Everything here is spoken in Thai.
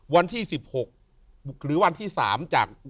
วันที่๑๖หรือวันที่๓จาก